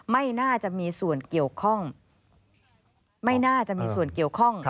ไม่น่าจะมีส่วนเกี่ยวข้อง